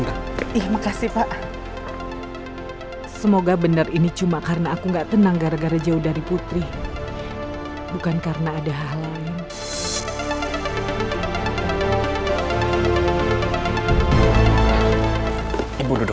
terima kasih ya pak raymond